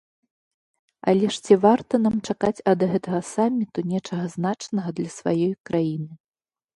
Але ж ці варта нам чакаць ад гэтага саміту нечага значнага для сваёй краіны?